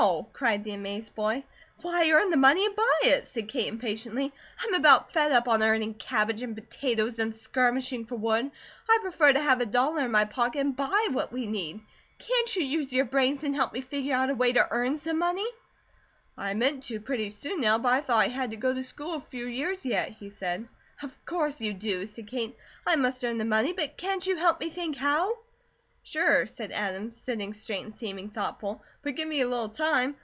cried the amazed boy. "Why, earn the money, and buy it!" said Kate, impatiently. "I'm about fed up on earning cabbage, and potatoes, and skirmishing for wood. I'd prefer to have a dollar in my pocket, and BUY what we need. Can't you use your brain and help me figure out a way to earn some MONEY?" "I meant to pretty soon now, but I thought I had to go to school a few years yet," he said. "Of course you do," said Kate. "I must earn the money, but can't you help me think how?" "Sure," said Adam, sitting straight and seeming thoughtful, "but give me a little time.